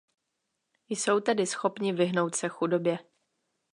Jsou tedy schopni vyhnout se chudobě.